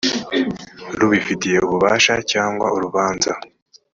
rubifitiye ububasha cyangwa urubanza